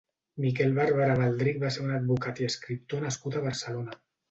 Miquel Barberà Baldrich va ser un advocat i escriptor nascut a Barcelona.